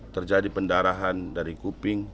terjadi pendarahan dari kuping